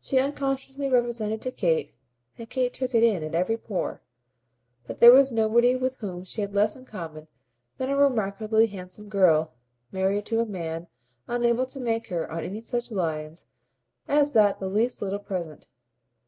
She unconsciously represented to Kate, and Kate took it in at every pore, that there was nobody with whom she had less in common than a remarkably handsome girl married to a man unable to make her on any such lines as that the least little present.